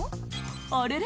あれれ？